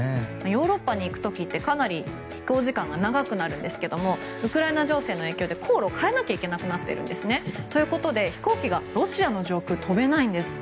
ヨーロッパに行く時ってかなり飛行時間が長くなるんですけどもウクライナ情勢の影響で航路を変えなきゃいけなくなっているんですね。ということで飛行機がロシアの上空を飛べないんです。